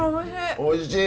おいしい。